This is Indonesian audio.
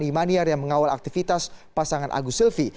fani maniar yang mengawal aktivitas pasangan agus silvi